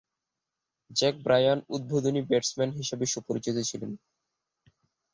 Jack Brian উদ্বোধনী batsman হিসেবে সুপরিচিত ছিলেন।